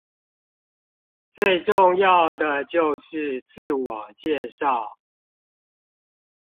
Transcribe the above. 最重要的就是自我介紹